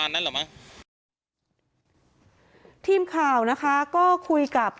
กู้ภัยก็เลยมาช่วยแต่ฝ่ายชายก็เลยมาช่วย